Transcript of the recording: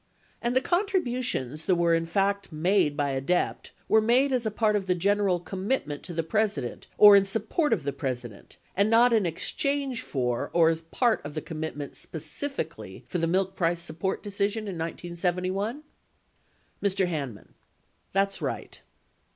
And the contributions that were in fact made by ADEPT were made as a part of the general commitment to the President or in support of the President, and not in ex change for or as part of the commitment specifically for the milk price support decision in 1971 ? Mr. Hanman. That's right.